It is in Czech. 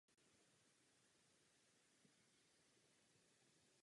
Například trváme na dokumentech, které jsou často zbytečné.